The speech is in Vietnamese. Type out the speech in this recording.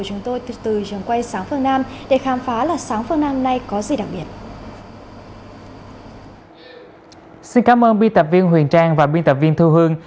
xin cảm ơn biên tập viên huyền trang và biên tập viên thu hương